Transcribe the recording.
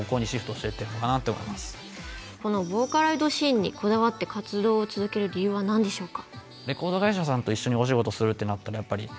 このボーカロイドシーンにこだわって活動を続ける理由は何でしょうか？